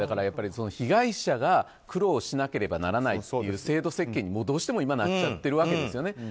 被害者が苦労しなければならないという制度設計にどうしても今なっちゃってるわけですよね。